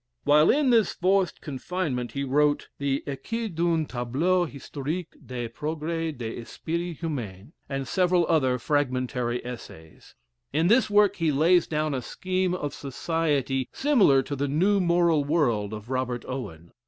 While in this forced confinement, he wrote the "Esquisse d'un Tableau Historique des Progrès de l'Esprit Humain," and several other fragmentary essays. In this work he lays down a scheme of society similar to the "New Moral World," of Robert Owen.